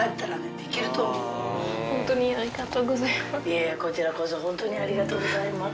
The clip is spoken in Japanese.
いやいやこちらこそ本当にありがとうございます。